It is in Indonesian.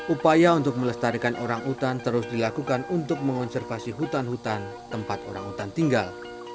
upaya untuk melestarikan orang hutan terus dilakukan untuk mengonservasi hutan hutan tempat orangutan tinggal